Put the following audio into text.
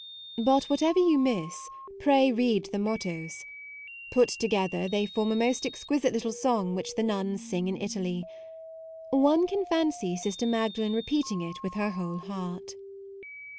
But what ever you miss, pray read the mottoes. Put together, they form a most ex MAUDE 91 quisite little song which the nuns sing in Italy. One can fancy Sister Magdalen repeating it with her whole heart.